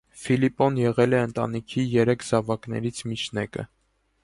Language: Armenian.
Ֆիլիպոն եղել է ընտանիքի երեք զավակներից միջնեկը։